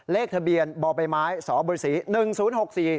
เลขทะเบียนบ่อไปไม้สบสี๑๐๖๔